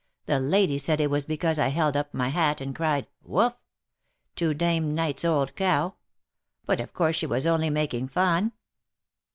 The lady said it was be cause I held up my hat, and cried ' Wough !' to Dame Knight's old cow : but of course she was only making fun."